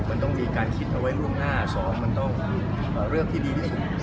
ยังตอบไหมคะคำว่าคุณจะตอบได้เลยค่ะ